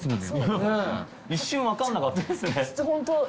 一瞬分かんなかったですよね。